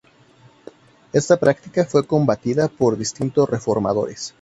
Esta práctica fue combatida por distintos reformadores.